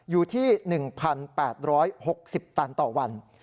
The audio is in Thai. อยู่ที่๑๘๖๐ตันต่อวัน